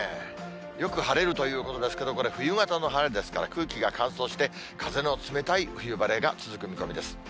よく晴れるということですけど、これ、冬型の晴れですから、空気が乾燥して、風の冷たい冬晴れが続く見込みです。